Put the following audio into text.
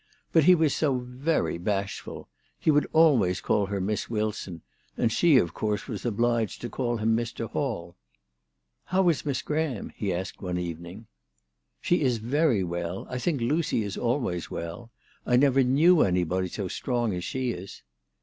But he was so very bashful ! He would always call her Miss Wilson ; and she of course was obliged to call him Mr. Hall. " How is Miss Graham ?" he asked one evening. " She is very well. I think Lucy is always well. I never knew anybody so strong as she is."